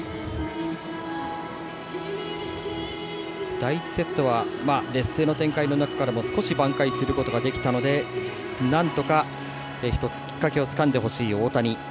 第１セットは劣勢の展開の中からも少し挽回することができたのでなんとか、１つきっかけをつかんでほしい大谷。